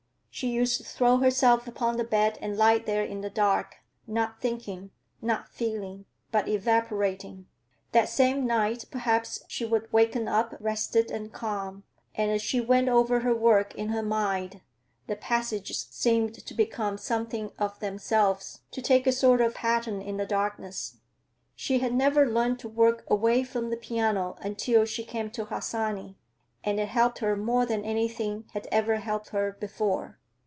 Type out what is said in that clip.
She used to throw herself upon the bed and lie there in the dark, not thinking, not feeling, but evaporating. That same night, perhaps, she would waken up rested and calm, and as she went over her work in her mind, the passages seemed to become something of themselves, to take a sort of pattern in the darkness. She had never learned to work away from the piano until she came to Harsanyi, and it helped her more than anything had ever helped her before.